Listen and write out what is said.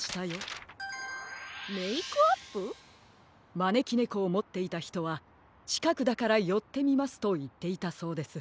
まねきねこをもっていたひとはちかくだからよってみますといっていたそうです。